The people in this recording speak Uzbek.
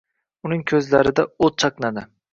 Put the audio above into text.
uning ko‘zlarida o‘t chaqnadi.